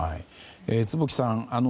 坪木さん